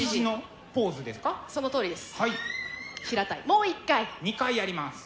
もう一回。２回やります。